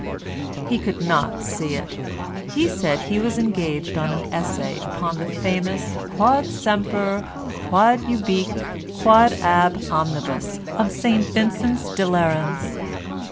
He could not see it. He said he was engaged on an essay upon the famous quod semper, quod ubique, quod ab omnibus of St Vincent de Lerins.